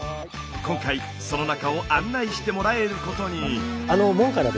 今回その中を案内してもらえることに。